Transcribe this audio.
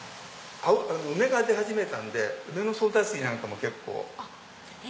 梅が出始めたんで梅のソーダ水なんかも結構。